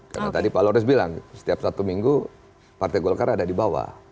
karena tadi pak lohres bilang setiap satu minggu partai golkar ada di bawah